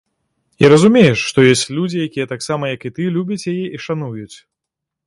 І разумееш, што ёсць людзі, якія таксама, як і ты, любяць яе і шануюць.